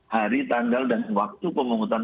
hari tanggal dan waktu pemungutan